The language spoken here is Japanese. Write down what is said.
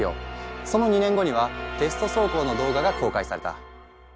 その２年後にはテスト走行の動画が公開された。